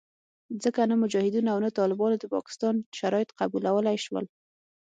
ځکه نه مجاهدینو او نه طالبانو د پاکستان شرایط قبلولې شول